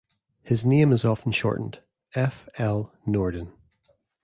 His name is often shortened "F. L. Norden".